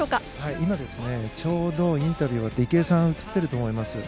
今ちょうどインタビュー終わって池江さんが映っていると思います。